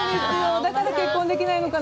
だから結婚できないのかな？